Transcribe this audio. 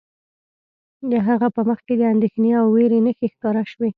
د هغه په مخ کې د اندیښنې او ویرې نښې ښکاره شوې